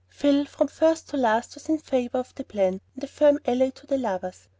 Phil, from first to last, was in favor of the plan, and a firm ally to the lovers.